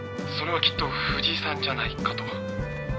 それはきっと藤井さんじゃないかと。